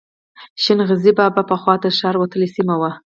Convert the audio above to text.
شین غزي بابا پخوا تر ښار وتلې سیمه وه.